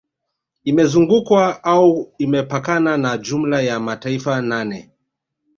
Imezungukwa au imepakana na jumla ya mataifa nane